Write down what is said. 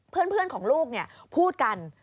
เพื่อนของลูกพูดกัน